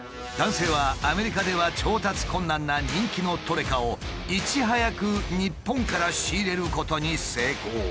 男性はアメリカでは調達困難な人気のトレカをいち早く日本から仕入れることに成功。